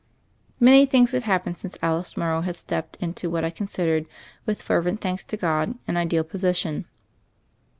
Many things had happened since Alice Mor row had stepped into what I considered, with fervent thanks to God, an ideal position.